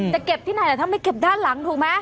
จะเก็บที่ไหนล่ะถ้าไม่เก็บด้านหลังถูกไหม